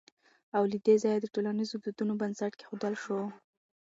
او له دې ځايه د ټولنيزو دودونو بنسټ کېښودل شو